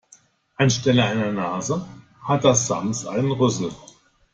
Anstelle einer Nase hat das Sams einen Rüssel.